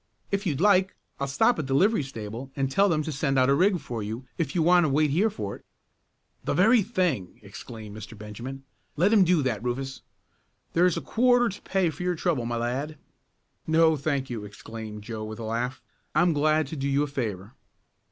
"If you like I'll stop at the livery stable and tell them to send out a rig for you if you want to wait here for it." "The very thing!" exclaimed Mr. Benjamin. "Let him do that, Rufus. Here's a quarter to pay for your trouble, my lad." "No, thank you!" exclaimed Joe with a laugh. "I'm glad to do you a favor."